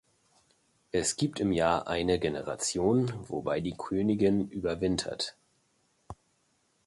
Es gibt im Jahr eine Generation, wobei die Königin überwintert.